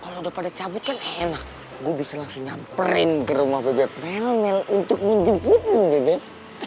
kalo udah pada cabut kan enak gue bisa langsung nyamperin ke rumah bebek melmel untuk menjemputmu bebek